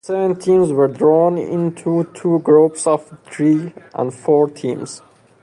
The seven teams were drawn into two groups of three and four teams.